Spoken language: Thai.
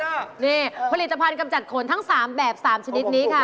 นี่ผลิตภัณฑ์กำจัดขนทั้ง๓แบบ๓ชนิดนี้ค่ะ